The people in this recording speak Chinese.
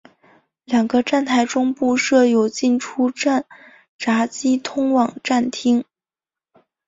两个站台中部设有进出站闸机通往站厅。